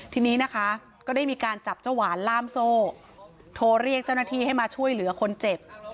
ทีนี้นะคะก็ได้มีการจับเจ้าหวานล่ามโซ่โทรเรียกเจ้าหน้าที่ให้มาช่วยเหลือคนเจ็บ